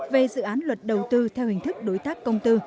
về dự án luật đầu tư theo hình thức đối tác công tư